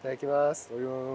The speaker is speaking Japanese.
いただきます。